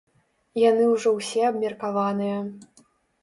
Яны ўжо ўсе абмеркаваныя.